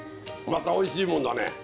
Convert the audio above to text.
またおいしいもんだね。